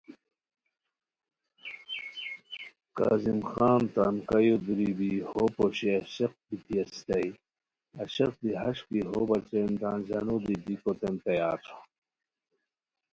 کاظم خان تان کایو دُوری بی ہو پوشی عاشق بیتی اسیتائے ، عاشق دی ہݰ کی ہوبچین تان ژانو دی دیکوتین تیار